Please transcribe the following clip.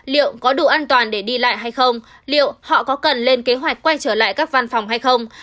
liệu có đủ an toàn để đi lại hay không liệu họ có cần lên kế hoạch quay trở lại các văn phòng hay không